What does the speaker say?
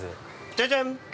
◆ジャジャン。